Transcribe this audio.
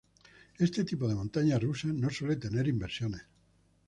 Este tipo de montaña rusa no suele tener inversiones.